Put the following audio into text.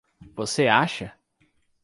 Você acha?